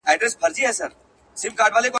ټولي ميرمني د قسم او عدل حقداري دي.